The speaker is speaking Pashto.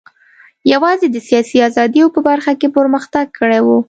یوازې د سیاسي ازادیو په برخه کې پرمختګ کړی و.